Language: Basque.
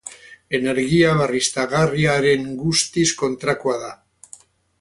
Energia berriztagarriaren guztiz kontrakoa da.